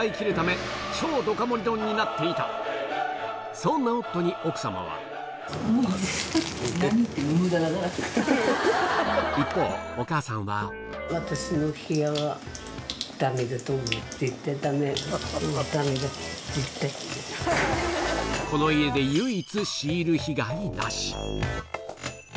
そんな夫に奥さまは一方お母さんはこの家でうわ！